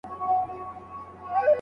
خلګو د نوي نظام هرکلی کاوه.